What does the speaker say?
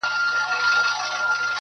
اې په خوب ویده ماشومه!؟!